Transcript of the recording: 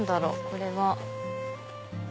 これは。